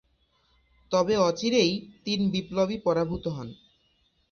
তবে অচিরেই তিন বিপ্লবী পরাভূত হন।